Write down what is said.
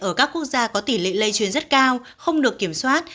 ở các quốc gia có tỷ lệ lây truyền rất cao không được kiểm soát